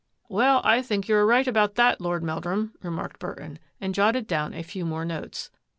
'*" Well, I think you are right about that, Lord Meldrum," remarked Burton, and jotted down a few more notes.